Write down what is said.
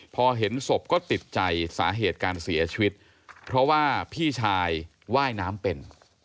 พอเห็นศพก็ติดใจสาเหตุการเสียชีวิตเพราะว่าพี่ชายว่ายน้ำเป็น